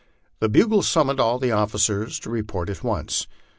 The bugle summoned all the officers to report at once.